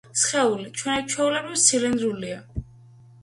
სხეული, ჩვეულებრივ, ცილინდრულია.